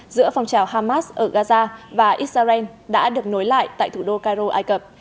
giữa phong trào hamas ở gaza và israel đã được nối lại tại thủ đô cairo ai cập